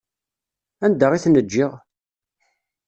Anda i ten-ǧǧiɣ?